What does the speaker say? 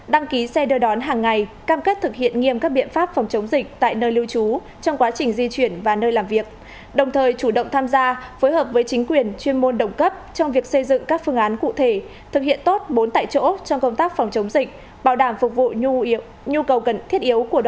đăng ký xe đưa đón hàng ngày cam kết thực hiện nghiêm các biện pháp phòng chống dịch tại nơi lưu trú trong quá trình di chuyển và nơi làm việc đồng thời chủ động tham gia phối hợp với chính quyền chuyên môn đồng cấp trong việc xây dựng các phương án cụ thể thực hiện tốt bốn tại chỗ trong công tác phòng chống dịch bảo đảm phục vụ nhu cầu cần thiết yếu của đoàn viên người lao động trên địa bàn đặc biệt tại các khu vực bị cách ly phong tỏa